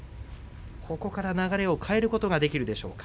ここから流れを変えることができるでしょうか。